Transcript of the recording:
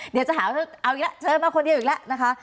เดี๋ยวจะหาเอาอีกแล้วเชิญมาคนเดียวอีกแล้วนะคะ